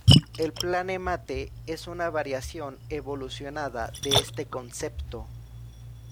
El "Plane Mate" es una variación evolucionada de este concepto.